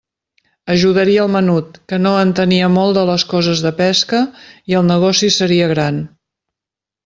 Ajudaria el menut, que no entenia molt de les coses de pesca, i el negoci seria gran.